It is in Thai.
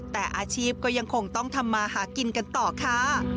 แต่อาชีพก็ยังคงต้องทำมาหากินกันต่อค่ะ